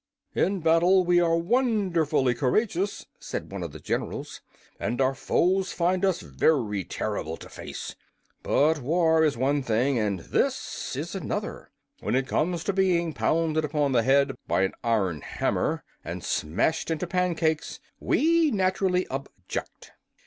"In battle we are wonderfully courageous," said one of the generals, "and our foes find us very terrible to face. But war is one thing and this is another. When it comes to being pounded upon the head by an iron hammer, and smashed into pancakes, we naturally object."